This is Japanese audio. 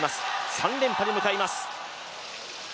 ３連覇に向かいます。